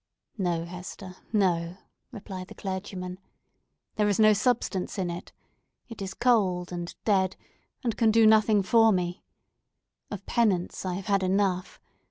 "No, Hester—no!" replied the clergyman. "There is no substance in it! It is cold and dead, and can do nothing for me! Of penance, I have had enough!